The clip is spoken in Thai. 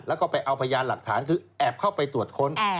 แล้วก็ไปเอาพยานหลักฐานคือแอบเข้าไปตรวจค้น